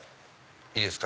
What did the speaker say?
いいですか？